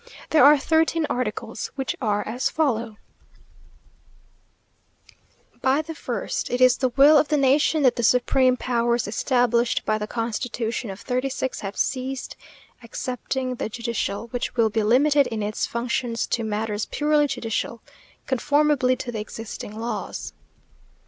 There are thirteen articles, which are as follow: By the first It is the will of the nation that the supreme powers established by the constitution of '36 have ceased, excepting the judicial, which will be limited in its functions to matters purely judicial, conformably to the existing laws.